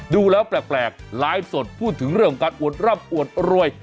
ดูแล้วแปลกไลฟ์สดพูดถึงเรื่องของการอวดร่ำอวดรวย